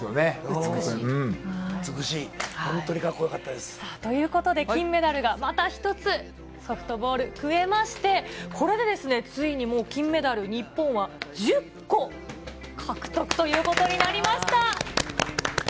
美しい。ということで、金メダルがまた１つ、ソフトボール、増えまして、これでついにもう金メダル、日本は１０個獲得ということになりました。